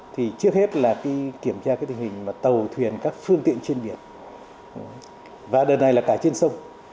trước hết là kiểm tra tình hình tàu thuyền các phương tiện trên biển và đợt này là cả trên sông